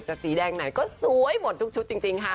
แต่สีแดงไหนก็สวยหมดทุกชุดจริงค่ะ